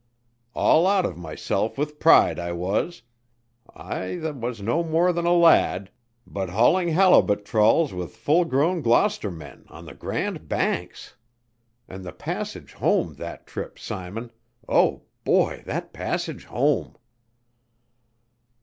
All out of myself with pride I was I that was no more than a lad, but hauling halibut trawls with full grown Gloucester men on the Grand Banks! And the passage home that trip, Simon! Oh, boy, that passage home!"